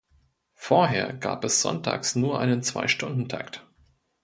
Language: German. Vorher gab es sonntags nur einen Zweistundentakt.